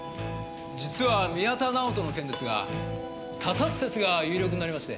実は宮田直人の件ですが他殺説が有力になりまして。